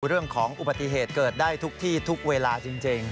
เรื่องของอุบัติเหตุเกิดได้ทุกที่ทุกเวลาจริง